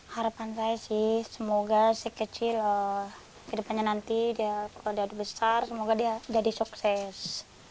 harapan saya sih semoga si kecil kedepannya nanti dia kalau jadi besar semoga dia jadi sukses